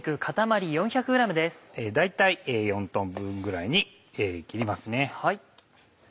大体４等分ぐらいに切りますね。